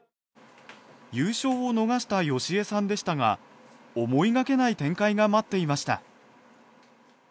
優勝を逃した好江さんでしたが思いがけない展開が待っていました。